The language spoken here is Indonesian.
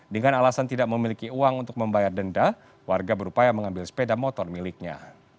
dengan alasan tidak memiliki uang untuk membayar denda warga berupaya mengambil sepeda motor miliknya